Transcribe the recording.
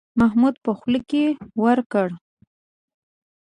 محمود په خوله کې ورکړه.